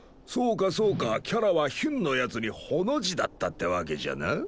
そうかそうかキャラはヒュンのやつにホの字だったってわけじゃな？